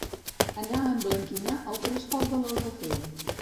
Anar a emblanquinar el trespol de l'Albufera.